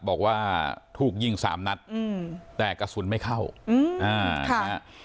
บอกว่าถูกยิงสามนัดอืมแต่กระสุนไม่เข้าอืมอ่านะฮะ